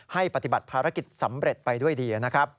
ให้ปฏิบัติภารกิจสำเร็จไปด้วยดี